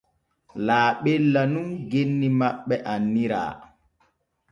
Laaɓella nun genni maɓɓe annira.